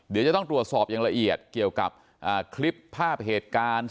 เดี๋ยวจะต้องตรวจสอบอย่างละเอียดเกี่ยวกับคลิปภาพเหตุการณ์